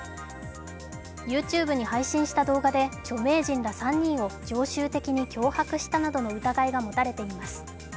ＹｏｕＴｕｂｅに配信した動画で著名人ら３人を常習的に脅迫したなどの疑いが持たれています